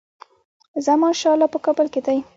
زمانشاه لا په کابل کې دی.